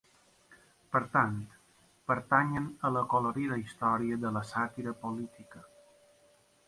Per tant, pertanyen a l'acolorida història de la sàtira política.